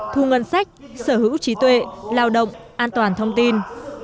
thu ngân sách sở hữu trí tuệ lao động an toàn thông tin